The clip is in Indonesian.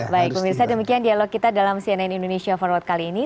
baik pemirsa demikian dialog kita dalam cnn indonesia forward kali ini